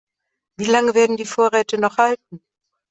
Wie lange werden die Vorräte noch halten?